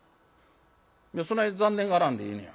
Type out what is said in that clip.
「そない残念がらんでええねや。